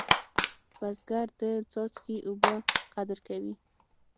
بزګر د څاڅکي اوبه قدر کوي